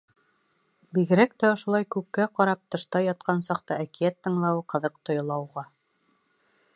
Бигерәк тә ошолай күккә ҡарап, тышта ятҡан саҡта әкиәт тыңлауы ҡыҙыҡ тойола уға.